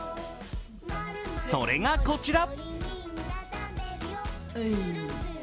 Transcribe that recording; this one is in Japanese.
それがこちら。